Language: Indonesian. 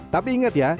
tapi ingat ya